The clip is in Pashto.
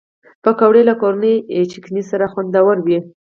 پکورې له کورني چټن سره خوندورې وي